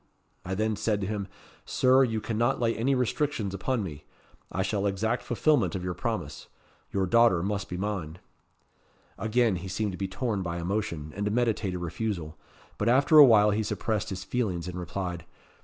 I then said to him: 'Sir, you cannot lay any restrictions upon me. I shall exact fulfilment of your promise. Your daughter must be mine.' Again he seemed to be torn by emotion, and to meditate a refusal; but after a while he suppressed his feelings, and replied.